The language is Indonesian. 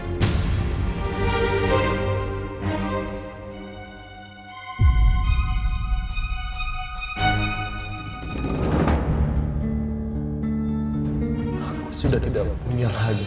aku sudah tidak punya haji